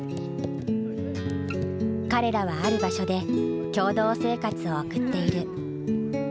彼らはある場所で共同生活を送っている。